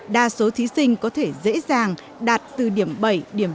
đa số thí sinh có thể dễ dàng đạt từ điểm bảy điểm tám